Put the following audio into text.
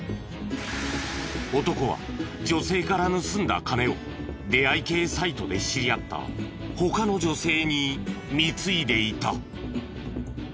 男は女性から盗んだ金を出会い系サイトで知り合った他の女性に貢いでいた。